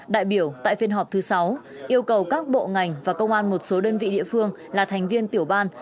đại biểu tại phiên họp thứ sáu yêu cầu các bộ ngành và công an một số đơn vị địa phương là thành viên tiểu ban